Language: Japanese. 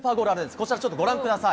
こちら、ちょっとご覧ください。